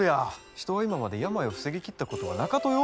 人は今まで病を防ぎきったことはなかとよ！